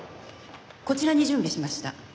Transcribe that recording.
こちらに準備しました。